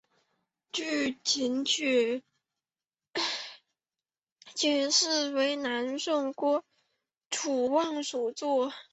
据琴曲解析为南宋郭楚望所作。